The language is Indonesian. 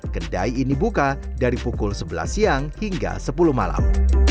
kedai ini buka dari pukul sebelas siang hingga sepuluh malam